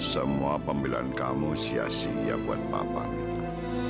semua pembelan kamu sia sia buat papa mita